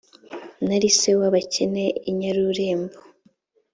nari se w’abakene i nyarurembo